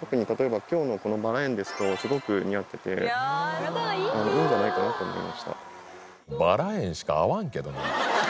特に例えば今日のこのバラ園ですとすごく似合ってていいんじゃないかなと思いました。